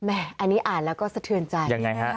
อันนี้อ่านแล้วก็สะเทือนใจ